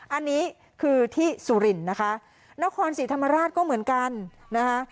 อันนี้คือที่สุรินทร์นะคะนครศรีธรรมราชก็เหมือนกันนะคะ